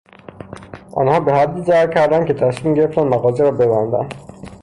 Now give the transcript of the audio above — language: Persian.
آنها به حدی ضرر کردند که تصمیم گرفتند مغازه را ببندند.